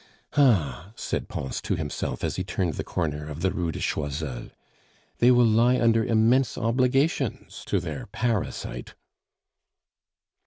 "Ah!" said Pons to himself, as he turned the corner of the Rue de Choiseul, "they will lie under immense obligations to their parasite."